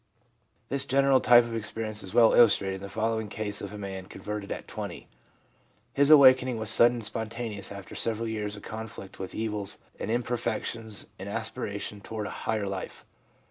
This general type of experience is well illustrated in the following case of a man converted at 20. His awaken ing was sudden and spontaneous after several years of conflict with evils and imperfections and aspiration toward a higher life.